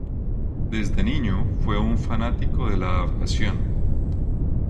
Desde niño fue un fanático de la aviación.